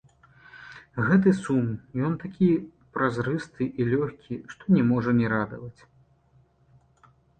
Гэты сум, ён такі празрысты і лёгкі, што не можа не радаваць.